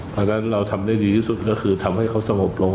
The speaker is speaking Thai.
เพราะฉะนั้นเราทำได้ดีที่สุดก็คือทำให้เขาสงบลง